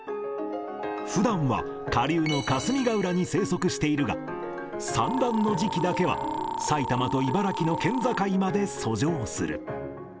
ふだんは下流の霞ケ浦に生息しているが、産卵の時期だけは、埼玉と茨城の県境まで遡上する。